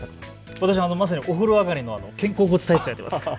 私まさにお風呂上がりの肩甲骨体操をしてます。